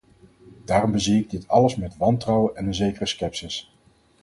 Daarom bezie ik dit alles met wantrouwen en een zekere scepsis.